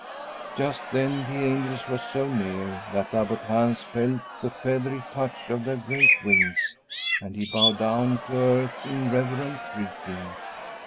Just then the angels were so near that Abbot Hans felt the feathery touch of their great wings, and he bowed down to earth in reverent greeting.